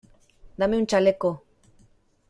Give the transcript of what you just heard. ¡ dame un chaleco!